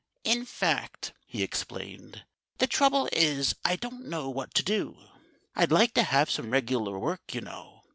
"In fact," he explained, "the trouble is, I don't know what to do. I'd like to have some regular work, you know.